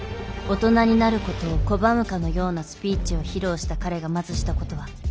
大人になることを拒むかのようなスピーチを披露した彼がまずしたことは。